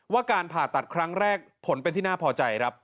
การผ่าตัดครั้งแรกผลเป็นที่น่าพอใจครับ